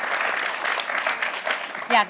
อยากเรียน